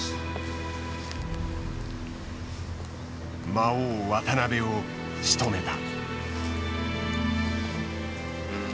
魔王渡辺をしとめた。